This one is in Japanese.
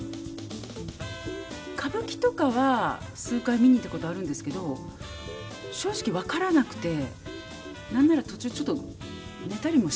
歌舞伎とかは数回見に行ったことあるんですけど正直分からなくて何なら途中ちょっと寝たりもしつつ。